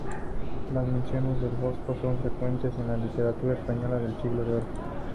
Las menciones al Bosco son frecuentes en la literatura española del Siglo de Oro.